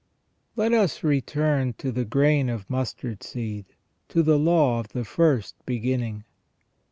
Let us return to the grain of mustard seed, to the law of the first beginning.